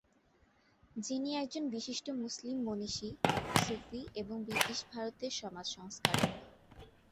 যিনি একজন বিশিষ্ট মুসলিম মনীষী, সুফি এবং ব্রিটিশ ভারতের সমাজ সংস্কারক।